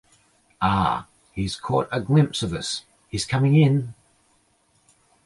Ah, he has caught a glimpse of us — he is coming in!